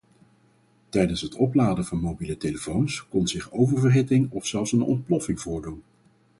Tijdens het opladen van mobiele telefoons kon zich oververhitting of zelfs een ontploffing voordoen.